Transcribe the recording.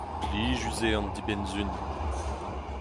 Plijus eo an dibenn-sizhun.